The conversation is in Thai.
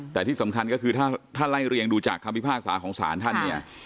แต่ที่สำคัญก็คือถ้าไล่เรียงดูจากคำพิพากษาของศาลท่านเนี่ย